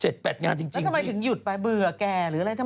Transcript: เจ็ดแปดงานจริงแล้วทำไมถึงหยุดไปเบื่อแก่หรืออะไร